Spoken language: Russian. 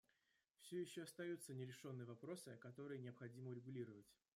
Все еще остаются нерешенные вопросы, которые необходимо урегулировать.